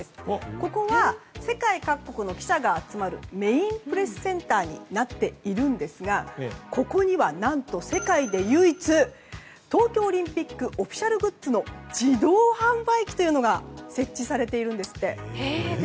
ここは世界各国の記者が集まるメインプレスセンターになっているんですがここには何と世界で唯一東京オリンピックのオフィシャルグッズの自動販売機がここだけなんですね。